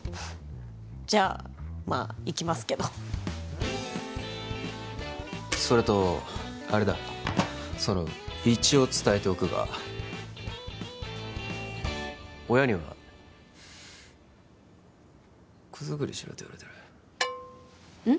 じゃあまあ行きますけどそれとあれだその一応伝えておくが親には子づくりしろと言われてるうん？